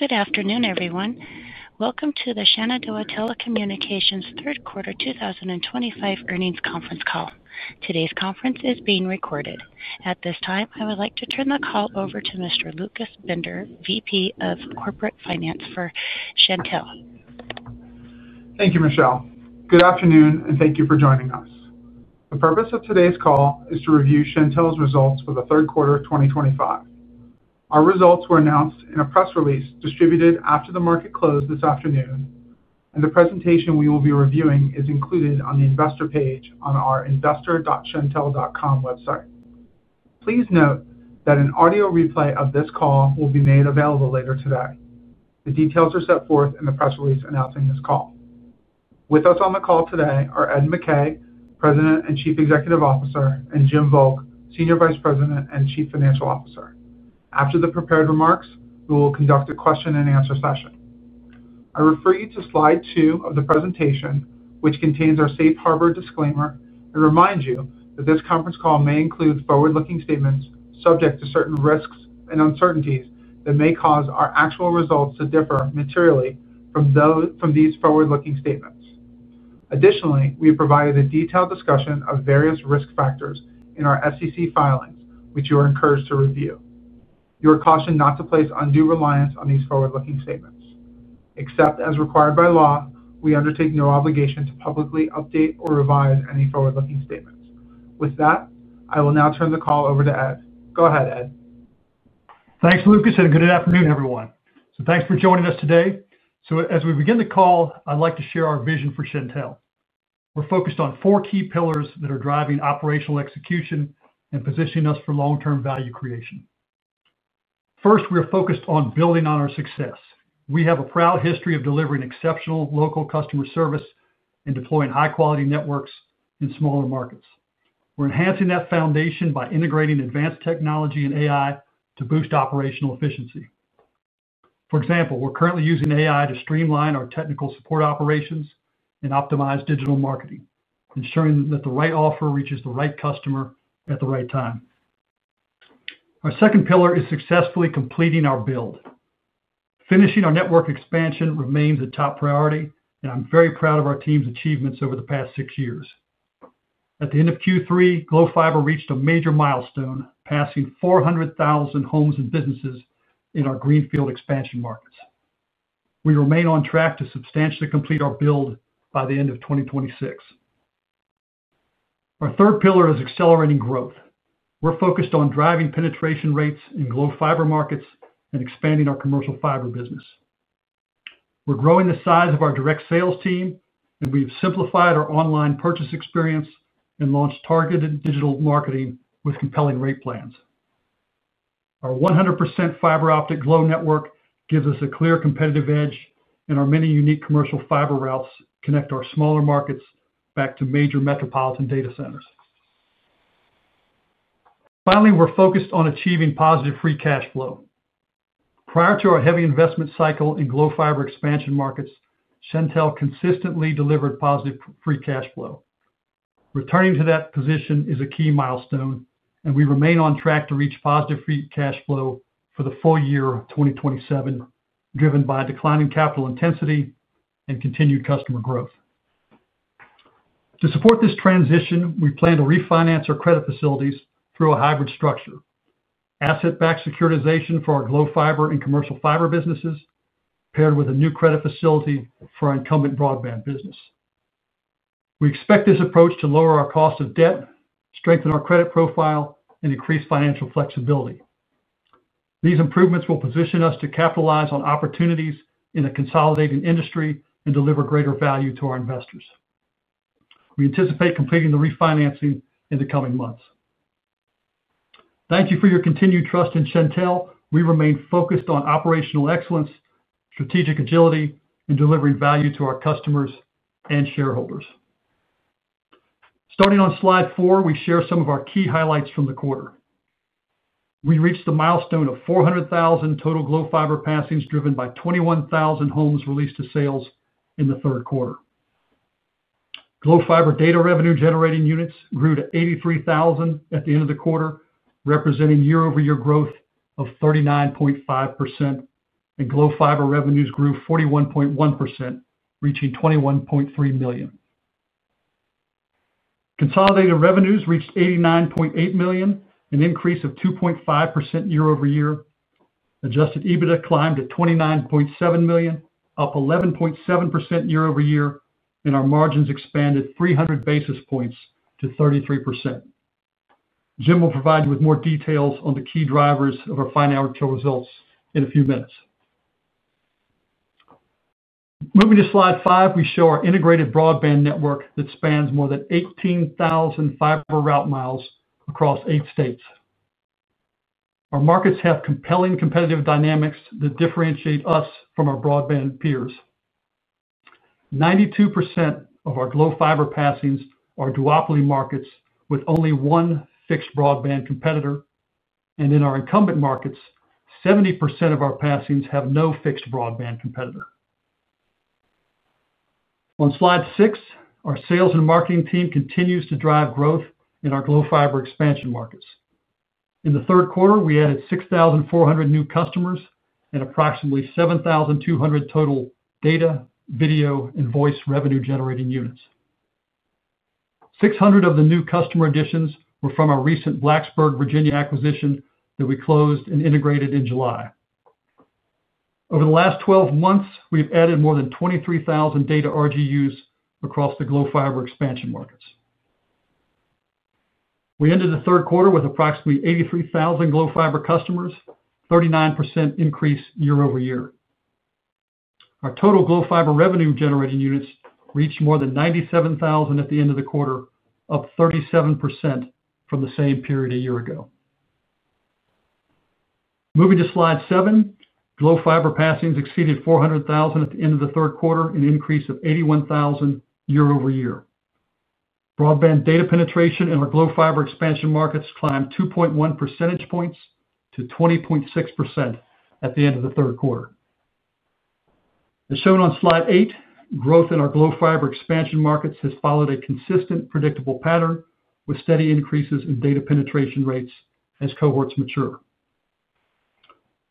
Good afternoon, everyone. Welcome to the Shenandoah Telecommunications Third Quarter 2025 Earnings Conference Call. Today's conference is being recorded. At this time, I would like to turn the call over to Mr. Lucas Binder, VP of Corporate Finance for Shentel. Thank you, Michelle. Good afternoon, and thank you for joining us. The purpose of today's call is to review Shentel's results for the third quarter of 2025. Our results were announced in a press release distributed after the market closed this afternoon, and the presentation we will be reviewing is included on the investor page on our investor.shentel.com website. Please note that an audio replay of this call will be made available later today. The details are set forth in the press release announcing this call. With us on the call today are Ed McKay, President and Chief Executive Officer, and Jim Volk, Senior Vice President and Chief Financial Officer. After the prepared remarks, we will conduct a question and answer session. I refer you to slide two of the presentation, which contains our Safe Harbor disclaimer, and remind you that this conference call may include forward-looking statements subject to certain risks and uncertainties that may cause our actual results to differ materially from these forward-looking statements. Additionally, we have provided a detailed discussion of various risk factors in our SEC filings, which you are encouraged to review. You are cautioned not to place undue reliance on these forward-looking statements. Except as required by law, we undertake no obligation to publicly update or revise any forward-looking statements. With that, I will now turn the call over to Ed. Go ahead, Ed. Thanks, Lucas, and good afternoon, everyone. Thanks for joining us today. As we begin the call, I'd like to share our vision for Shentel. We're focused on four key pillars that are driving operational execution and positioning us for long-term value creation. First, we are focused on building on our success. We have a proud history of delivering exceptional local customer service and deploying high-quality networks in smaller markets. We're enhancing that foundation by integrating advanced technology and AI to boost operational efficiency. For example, we're currently using AI to streamline our technical support operations and optimize digital marketing, ensuring that the right offer reaches the right customer at the right time. Our second pillar is successfully completing our build. Finishing our network expansion remains a top priority, and I'm very proud of our team's achievements over the past six years. At the end of Q3, Glo Fiber reached a major milestone, passing 400,000 homes and businesses in our greenfield expansion markets. We remain on track to substantially complete our build by the end of 2026. Our third pillar is accelerating growth. We're focused on driving penetration rates in Glo Fiber markets and expanding our commercial fiber business. We're growing the size of our direct sales team, and we've simplified our online purchase experience and launched targeted digital marketing with compelling rate plans. Our 100% fiber optic Glo network gives us a clear competitive edge, and our many unique commercial fiber routes connect our smaller markets back to major metropolitan data centers. Finally, we're focused on achieving positive free cash flow. Prior to our heavy investment cycle in Glo Fiber expansion markets, Shentel consistently delivered positive free cash flow. Returning to that position is a key milestone, and we remain on track to reach positive free cash flow for the full year of 2027, driven by declining capital intensity and continued customer growth. To support this transition, we plan to refinance our credit facilities through a hybrid structure: asset-backed securitization for our Glo Fiber and commercial fiber businesses, paired with a new credit facility for our incumbent broadband business. We expect this approach to lower our cost of debt, strengthen our credit profile, and increase financial flexibility. These improvements will position us to capitalize on opportunities in a consolidating industry and deliver greater value to our investors. We anticipate completing the refinancing in the coming months. Thank you for your continued trust in Shentel. We remain focused on operational excellence, strategic agility, and delivering value to our customers and shareholders. Starting on slide four, we share some of our key highlights from the quarter. We reached the milestone of 400,000 total Glo Fiber passings, driven by 21,000 homes released to sales in the third quarter. Glo Fiber data revenue-generating units grew to 83,000 at the end of the quarter, representing year-over-year growth of 39.5%, and Glo Fiber revenues grew 41.1%, reaching $21.3 million. Consolidated revenues reached $89.8 million, an increase of 2.5% year-over-year. Adjusted EBITDA climbed to $29.7 million, up 11.7% year-over-year, and our margins expanded 300 basis points to 33%. Jim will provide you with more details on the key drivers of our final results in a few minutes. Moving to slide five, we show our integrated broadband network that spans more than 18,000 fiber route miles across eight states. Our markets have compelling competitive dynamics that differentiate us from our broadband peers. 92% of our Glo Fiber passings are duopoly markets with only one fixed broadband competitor, and in our incumbent markets, 70% of our passings have no fixed broadband competitor. On slide six, our sales and marketing team continues to drive growth in our Glo Fiber expansion markets. In the third quarter, we added 6,400 new customers and approximately 7,200 total data, video, and voice revenue-generating units. 600 of the new customer additions were from our recent Blacksburg, Virginia acquisition that we closed and integrated in July. Over the last 12 months, we've added more than 23,000 data RGUs across the Glo Fiber expansion markets. We ended the third quarter with approximately 83,000 Glo Fiber customers, a 39% increase year-over-year. Our total Glo Fiber revenue-generating units reached more than 97,000 at the end of the quarter, up 37% from the same period a year ago. Moving to slide seven, Glo Fiber passings exceeded 400,000 at the end of the third quarter, an increase of 81,000 year-over-year. Broadband data penetration in our Glo Fiber expansion markets climbed 2.1 percentage points to 20.6% at the end of the third quarter. As shown on slide eight, growth in our Glo Fiber expansion markets has followed a consistent, predictable pattern with steady increases in data penetration rates as cohorts mature.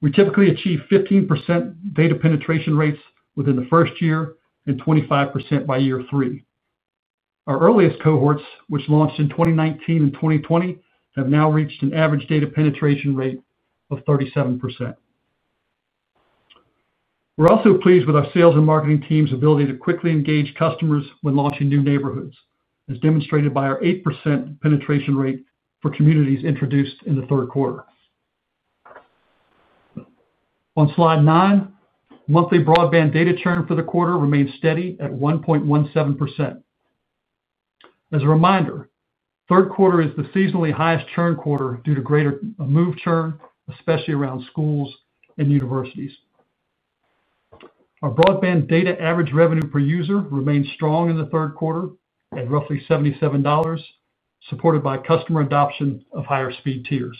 We typically achieve 15% data penetration rates within the first year and 25% by year three. Our earliest cohorts, which launched in 2019 and 2020, have now reached an average data penetration rate of 37%. We're also pleased with our sales and marketing team's ability to quickly engage customers when launching new neighborhoods, as demonstrated by our 8% penetration rate for communities introduced in the third quarter. On slide nine, monthly broadband data churn for the quarter remains steady at 1.17%. As a reminder, the third quarter is the seasonally highest churn quarter due to greater move churn, especially around schools and universities. Our broadband data average revenue per user remains strong in the third quarter at roughly $77, supported by customer adoption of higher speed tiers.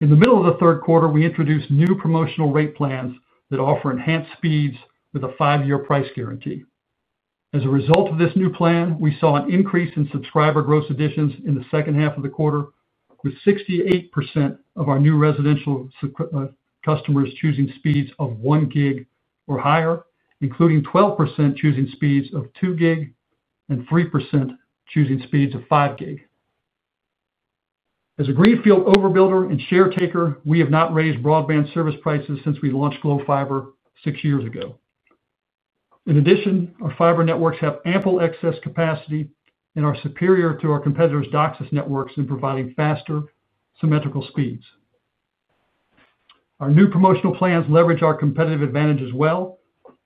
In the middle of the third quarter, we introduced new promotional rate plans that offer enhanced speeds with a five-year price guarantee. As a result of this new plan, we saw an increase in subscriber growth additions in the second half of the quarter, with 68% of our new residential customers choosing speeds of one gig or higher, including 12% choosing speeds of two gig and 3% choosing speeds of five gig. As a greenfield overbuilder and share taker, we have not raised broadband service prices since we launched Glo Fiber six years ago. In addition, our fiber networks have ample excess capacity and are superior to our competitors' DOCSIS networks in providing faster, symmetrical speeds. Our new promotional plans leverage our competitive advantages well,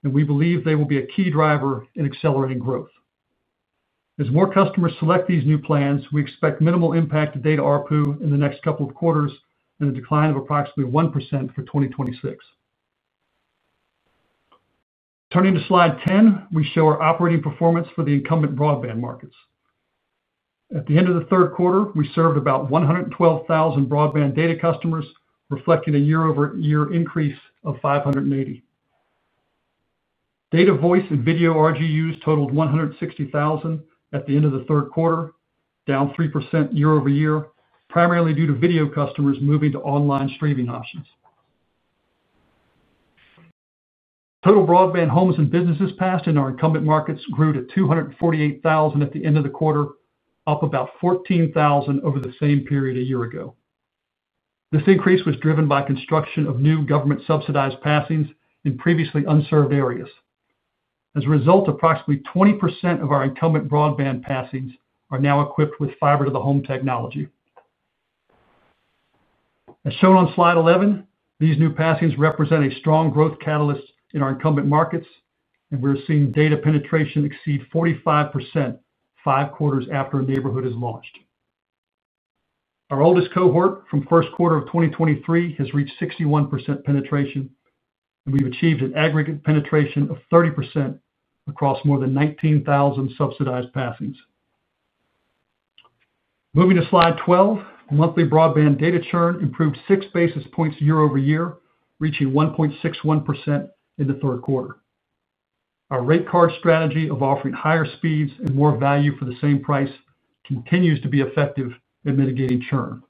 and we believe they will be a key driver in accelerating growth. As more customers select these new plans, we expect minimal impact to data ARPU in the next couple of quarters and a decline of approximately 1% for 2026. Turning to slide 10, we show our operating performance for the incumbent broadband markets. At the end of the third quarter, we served about 112,000 broadband data customers, reflecting a year-over-year increase of 580. Data, voice, and video RGUs totaled 160,000 at the end of the third quarter, down 3% year-over-year, primarily due to video customers moving to online streaming options. Total broadband homes and businesses passed in our incumbent markets grew to 248,000 at the end of the quarter, up about 14,000 over the same period a year ago. This increase was driven by construction of new government-subsidized passings in previously unserved areas. As a result, approximately 20% of our incumbent broadband passings are now equipped with fiber-to-the-home technology. As shown on slide 11, these new passings represent a strong growth catalyst in our incumbent markets, and we're seeing data penetration exceed 45% five quarters after a neighborhood is launched. Our oldest cohort from the first quarter of 2023 has reached 61% penetration, and we've achieved an aggregate penetration of 30% across more than 19,000 subsidized passings. Moving to slide 12, monthly broadband data churn improved six basis points year-over-year, reaching 1.61% in the third quarter. Our rate card strategy of offering higher speeds and more value for the same price continues to be effective at mitigating churn.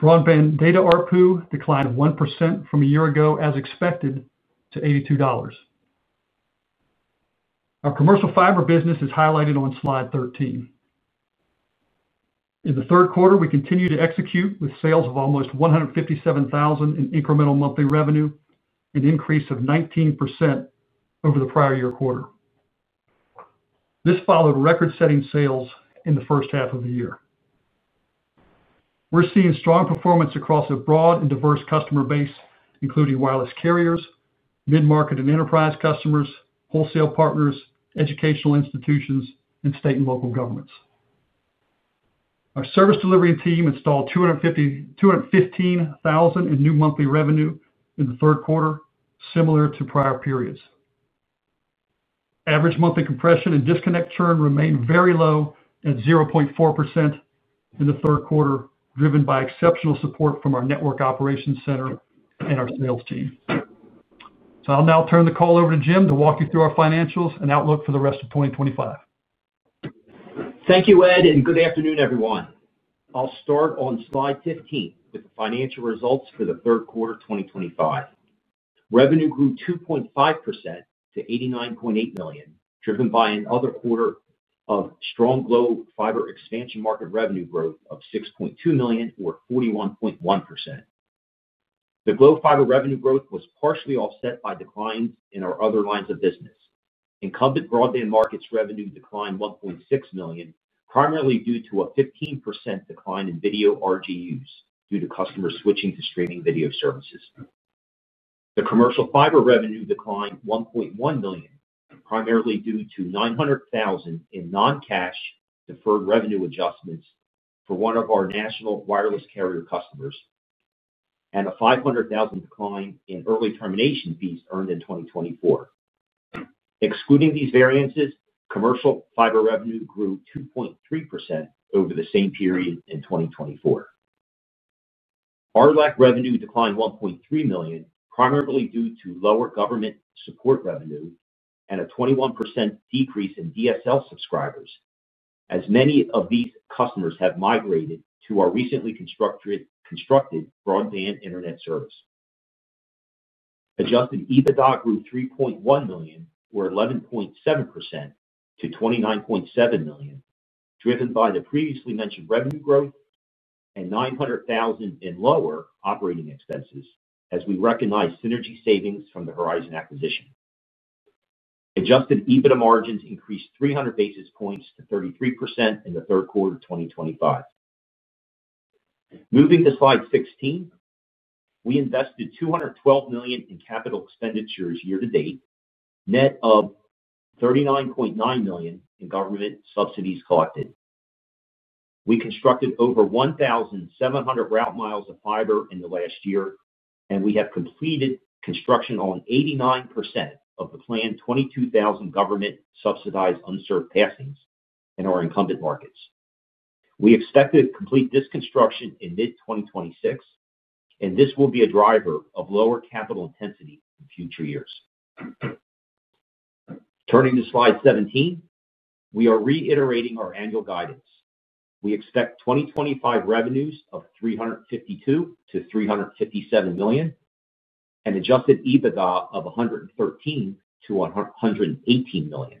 Broadband data ARPU declined 1% from a year ago, as expected, to $82. Our commercial fiber business is highlighted on slide 13. In the third quarter, we continue to execute with sales of almost $157,000 in incremental monthly revenue, an increase of 19% over the prior year quarter. This followed record-setting sales in the first half of the year. We're seeing strong performance across a broad and diverse customer base, including wireless carriers, mid-market and enterprise customers, wholesale partners, educational institutions, and state and local governments. Our service delivery team installed $215,000 in new monthly revenue in the third quarter, similar to prior periods. Average monthly compression and disconnect churn remain very low at 0.4% in the third quarter, driven by exceptional support from our network operations center and our sales team. I'll now turn the call over to Jim to walk you through our financials and outlook for the rest of 2025. Thank you, Ed, and good afternoon, everyone. I'll start on slide 15 with the financial results for the third quarter of 2025. Revenue grew 2.5% to $89.8 million, driven by another quarter of strong Glo Fiber expansion market revenue growth of $6.2 million, or 41.1%. The Glo Fiber revenue growth was partially offset by declines in our other lines of business. Incumbent broadband markets revenue declined $1.6 million, primarily due to a 15% decline in video RGUs due to customers switching to streaming video services. The commercial fiber revenue declined $1.1 million, primarily due to $900,000 in non-cash deferred revenue adjustments for one of our national wireless carrier customers and a $500,000 decline in early termination fees earned in 2024. Excluding these variances, commercial fiber revenue grew 2.3% over the same period in 2024. RLAC revenue declined $1.3 million, primarily due to lower government support revenue and a 21% decrease in DSL subscribers, as many of these customers have migrated to our recently constructed broadband internet service. Adjusted EBITDA grew $3.1 million, or 11.7% to $29.7 million, driven by the previously mentioned revenue growth and $900,000 in lower operating expenses, as we recognize synergy savings from the Horizon acquisition. Adjusted EBITDA margins increased 300 basis points to 33% in the third quarter of 2025. Moving to slide 16, we invested $212 million in capital expenditures year to date, net of $39.9 million in government subsidies collected. We constructed over 1,700 route miles of fiber in the last year, and we have completed construction on 89% of the planned 22,000 government-subsidized unserved passings in our incumbent markets. We expect to complete this construction in mid-2026, and this will be a driver of lower capital intensity in future years. Turning to slide 17, we are reiterating our annual guidance. We expect 2025 revenues of $352 million-$357 million and adjusted EBITDA of $113 million-$118 million.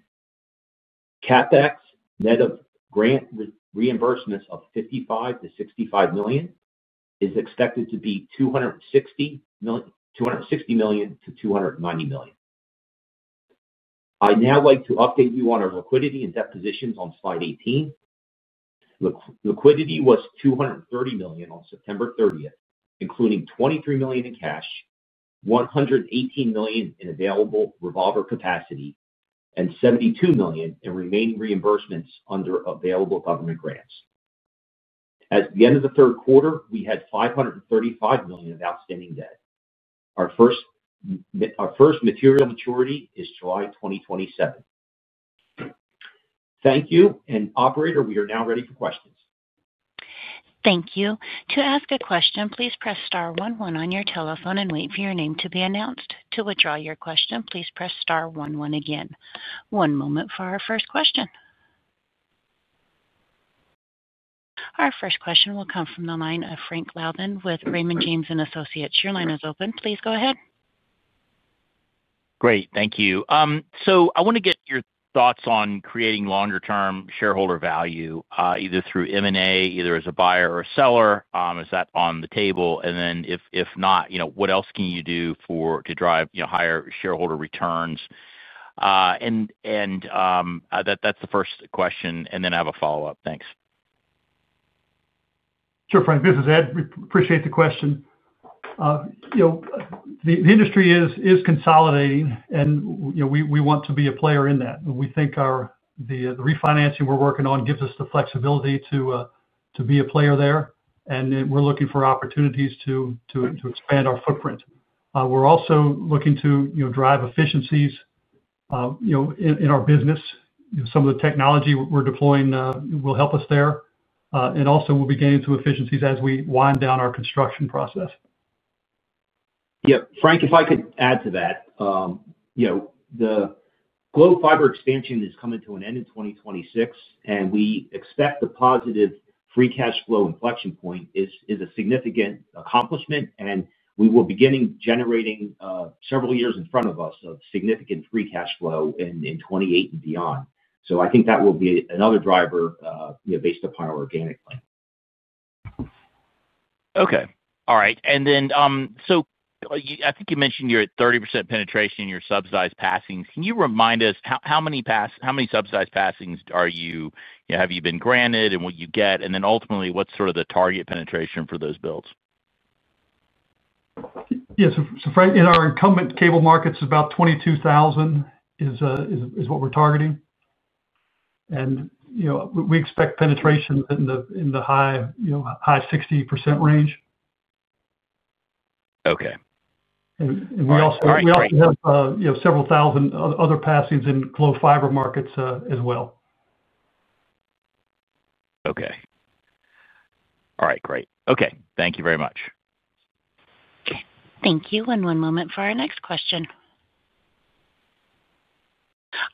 CapEx net of grant reimbursements of $55 million-$65 million is expected to be $260 million-$290 million. I'd now like to update you on our liquidity and debt positions on slide 18. Liquidity was $230 million on September 30th, including $23 million in cash, $118 million in available revolver capacity, and $72 million in remaining reimbursements under available government grants. At the end of the third quarter, we had $535 million of outstanding debt. Our first material maturity is July 2027. Thank you. Operator, we are now ready for questions. Thank you. To ask a question, please press star one-one on your telephone and wait for your name to be announced. To withdraw your question, please press star one-one again. One moment for our first question. Our first question will come from the line of Frank Loudon with Raymond James and Associates. Your line is open. Please go ahead. Great, thank you. I want to get your thoughts on creating longer-term shareholder value, either through M&A, either as a buyer or a seller. Is that on the table? If not, what else can you do to drive higher shareholder returns? That's the first question, and I have a follow-up. Thanks. Sure, Frank. This is Ed. Appreciate the question. You know the industry is consolidating, and you know we want to be a player in that. We think the refinancing we're working on gives us the flexibility to be a player there, and we're looking for opportunities to expand our footprint. We're also looking to drive efficiencies in our business. Some of the technology we're deploying will help us there, and also we'll be getting to efficiencies as we wind down our construction process. Yeah. Frank, if I could add to that, you know the Glo Fiber expansion is coming to an end in 2026, and we expect the positive free cash flow inflection point is a significant accomplishment, and we will be generating several years in front of us of significant free cash flow in 2028 and beyond. I think that will be another driver based upon our organic plan. All right. I think you mentioned you're at 30% penetration in your subsidized passings. Can you remind us how many subsidized passings you have been granted and what you get? Ultimately, what's sort of the target penetration for those builds? Yeah. In our incumbent cable markets, about 22,000 is what we're targeting, and we expect penetration in the high 60% range. Okay. We also have several thousand other passings in Glo Fiber markets as well. Okay. All right. Great. Thank you very much. Thank you. One moment for our next question.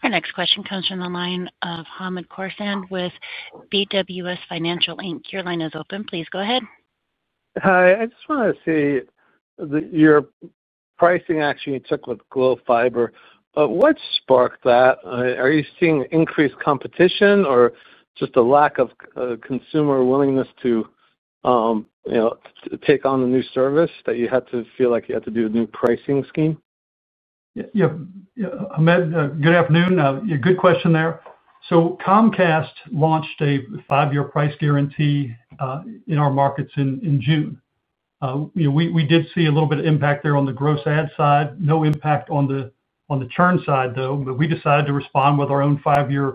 Our next question comes from the line of Hamid Korsan with BWS Financial Inc. Your line is open. Please go ahead. Hi. I just want to see your pricing action you took with Glo Fiber. What sparked that? Are you seeing increased competition or just a lack of consumer willingness to take on the new service that you had to feel like you had to do a new pricing scheme? Yeah. Hamid, good afternoon. Good question there. Comcast launched a five-year price guarantee in our markets in June. We did see a little bit of impact there on the gross ad side, no impact on the churn side, though. We decided to respond with our own five-year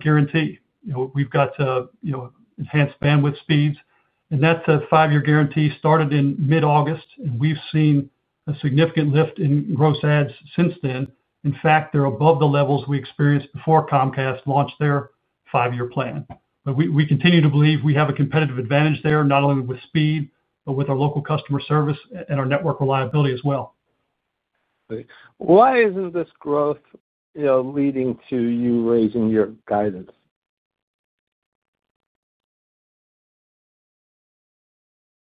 guarantee. We've got enhanced bandwidth speeds, and that five-year guarantee started in mid-August, and we've seen a significant lift in gross ads since then. In fact, they're above the levels we experienced before Comcast launched their five-year plan. We continue to believe we have a competitive advantage there, not only with speed, but with our local customer service and our network reliability as well. Why isn't this growth leading to you raising your guidance?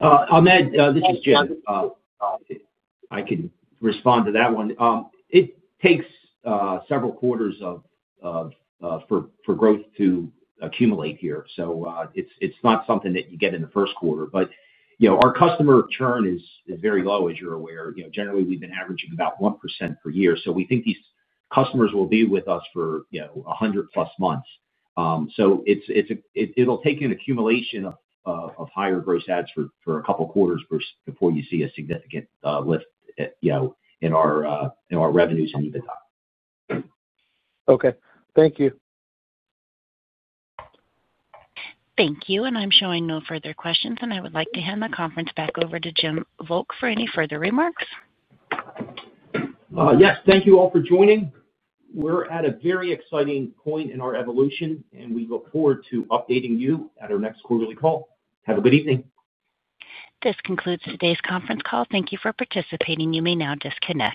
Hamid, this is Jim. I can respond to that one. It takes several quarters for growth to accumulate here. It's not something that you get in the first quarter. Our customer churn is very low, as you're aware. Generally, we've been averaging about 1% per year. We think these customers will be with us for 100+ months. It will take an accumulation of higher gross ads for a couple of quarters before you see a significant lift in our revenues and EBITDA. Okay, thank you. Thank you. I'm showing no further questions. I would like to hand the conference back over to Jim Volk for any further remarks. Yes. Thank you all for joining. We're at a very exciting point in our evolution, and we look forward to updating you at our next quarterly call. Have a good evening. This concludes today's conference call. Thank you for participating. You may now disconnect.